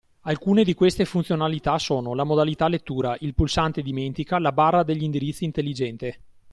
Alcune di queste funzionalità sono: la Modalità lettura, il Pulsante dimentica, la Barra degli indirizzi intelligente.